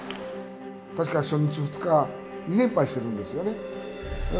確か、初日、２日２連敗してるんですよね。